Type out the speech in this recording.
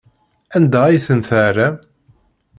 Anda ay ten-tɛerram?